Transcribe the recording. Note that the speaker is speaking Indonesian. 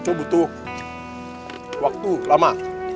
itu butuh waktu lama